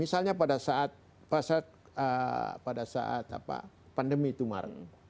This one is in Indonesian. misalnya pada saat pandemi itu maret